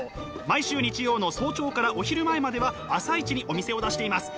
毎週日曜の早朝からお昼前までは朝市にお店を出しています。